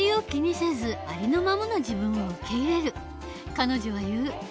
彼女は言う。